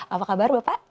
apa kabar bapak